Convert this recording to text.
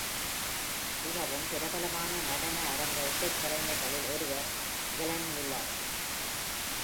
மிகவும் பிரபலமான நடன அரங்க இசைக்கலைஞர்களில் ஒருவர் Glenn Miller.